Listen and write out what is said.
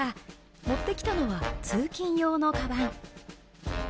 持ってきたのは通勤用のカバン。